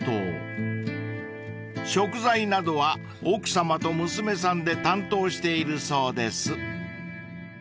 ［食材などは奥さまと娘さんで担当しているそうです］